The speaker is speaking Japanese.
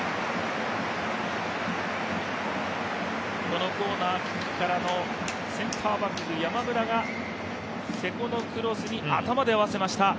このコーナーキックからセンターバック・山村が瀬古のクロスに頭で合わせました。